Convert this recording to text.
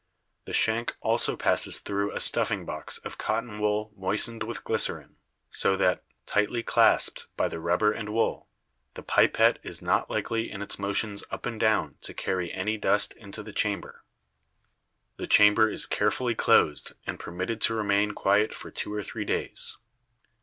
The shank also passes through a stuffing box of cotton wool moistened with glycerine; so that, tightly clasped by the rubber and wool, the pipette is not likely in its motions up and down to carry any dust into the chamber. 'The chamber is carefully closed and permitted to remain quiet for two or three days.